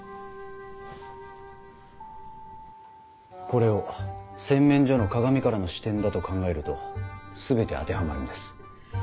これを洗面所の鏡からの視点だと考えると全て当てはまるんです。